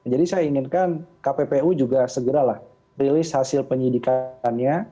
jadi saya inginkan kppu juga segeralah rilis hasil penyidikannya